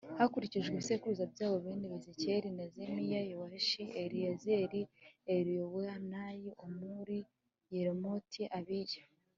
hakurikijwe ibisekuru byabo Bene Bekeri ni Zemira Yowashi Eliyezeri Eliyowenayi Omuri Yeremoti Abiya